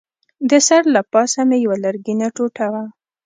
د سر له پاسه مې یوه لرګینه ټوټه وه.